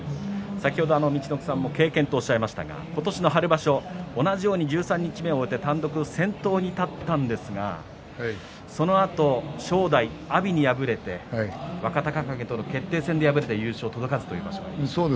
先ほど陸奥さん経験といっていましたが今年の春場所の時に十三日目を終えて単独先頭に立ったんですがそのあと正代、阿炎に敗れて若隆景との決定戦で敗れて優勝届かずということがありました。